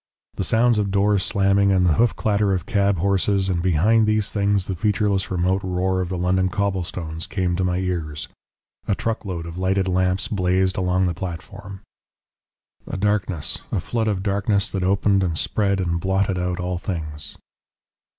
The sounds of doors slamming, and the hoof clatter of cab horses, and behind these things the featureless remote roar of the London cobble stones, came to my ears. A truckload of lighted lamps blazed along the platform. "A darkness, a flood of darkness that opened and spread and blotted out all things."